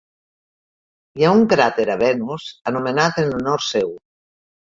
Hi ha un cràter a Venus anomenat en honor seu.